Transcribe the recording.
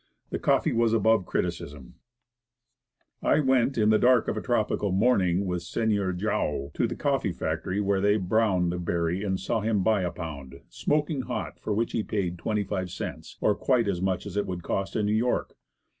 The coffee was above criti cism. How to Make It. 97 I went, in the dark of a tropical morning, with Senor Joao, to the coffee factory where they browned the berry, and saw him buy a pound, smoking hot, for which he paid twenty five cents, or quite as much as it would cost in New York.